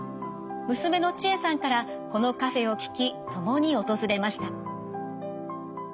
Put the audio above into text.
娘の智恵さんからこのカフェを聞き共に訪れました。